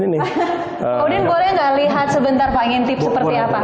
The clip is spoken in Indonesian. bang udin boleh tidak lihat sebentar pak ingin tips seperti apa